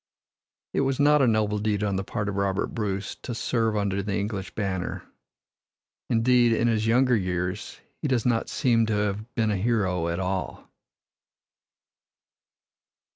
It was not a noble deed on the part of Robert Bruce to serve under the English banner. Indeed, in his younger years he does not seem to have been a hero at all.